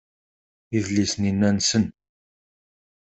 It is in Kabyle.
Idlisen-inna nsen.